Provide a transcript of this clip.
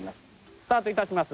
スタートいたします。